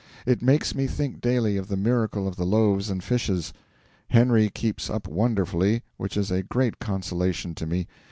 It makes me think daily of the miracle of the loaves and fishes. Henry keeps up wonderfully, which is a great consolation to me.